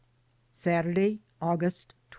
Saturday, August 2y.